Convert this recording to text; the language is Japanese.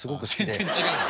全然違うよ。